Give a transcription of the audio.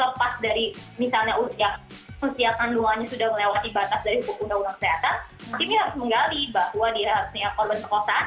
hakim ini harus menggali bahwa dia harusnya korban pemeriksaan